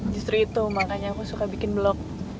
justru itu makanya aku suka bikin blok